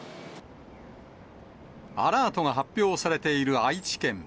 アラートが発表されている愛知県。